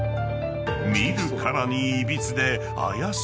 ［見るからにいびつで怪しい雲色］